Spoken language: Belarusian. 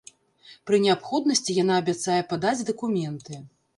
Пры неабходнасці яна абяцае падаць дакументы.